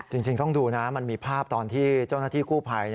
จริงต้องดูนะมันมีภาพตอนที่เจ้าหน้าที่กู้ภัย